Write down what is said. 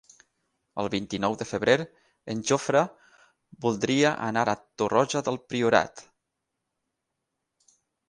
El vint-i-nou de febrer en Jofre voldria anar a Torroja del Priorat.